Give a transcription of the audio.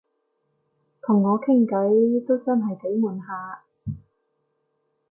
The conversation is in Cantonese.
同我傾偈都真係幾悶下